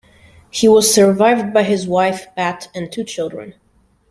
He was survived by his wife, Pat, and two children.